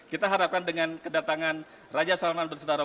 kita harapkan dengan kedatangan raja salman bersetara